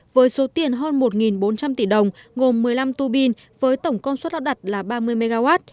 với số tiền hơn một bốn trăm linh tỷ đồng gồm một mươi năm tu bin với tổng công suất lắp đặt là ba mươi mw